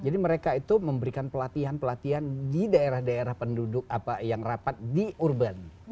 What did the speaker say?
mereka itu memberikan pelatihan pelatihan di daerah daerah penduduk yang rapat di urban